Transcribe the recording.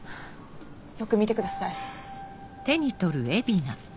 よく見てください。